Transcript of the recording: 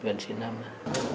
xin mời chị khuyên bị ra